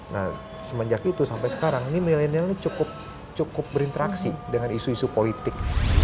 nah semenjak itu sampai sekarang ini milenial ini cukup berinteraksi dengan isu isu politik